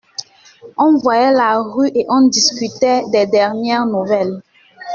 On voyait la rue et on discutait des dernières nouvelles.